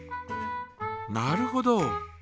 なるほど。